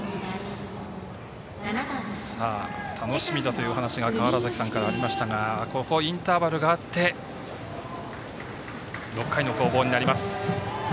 楽しみだというお話が川原崎さんからありましたがインターバルがあって６回の攻防になります。